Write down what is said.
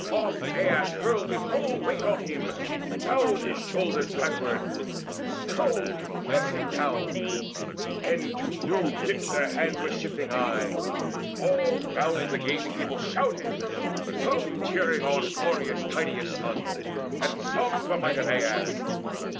Oft Aias hurled his whole weight on him, bowed His shoulders backward, strove to press him down; And to new grips their hands were shifting aye. All round the gazing people shouted, some Cheering on glorious Tydeus' son, and some The might of Aias.